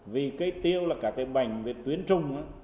vì cái tiêu là cả cái bệnh về tuyến trung á